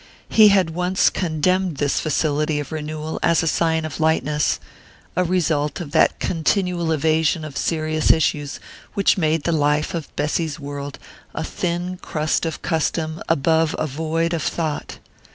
He had once condemned this facility of renewal as a sign of lightness, a result of that continual evasion of serious issues which made the life of Bessy's world a thin crust of custom above a void of thought.